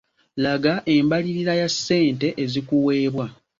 Laga embalirira ya ssente ezikuweebwa.